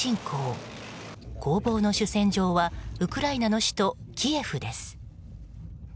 攻防の主戦場はウクライナの首都キエフです。